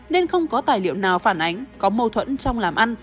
nên không có tài liệu nào phản ánh có mâu thuẫn trong làm ăn